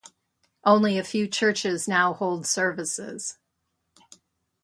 Only a few churches now hold services.